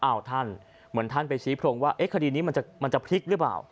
ท่านเหมือนท่านไปชี้โพรงว่าคดีนี้มันจะพลิกหรือเปล่า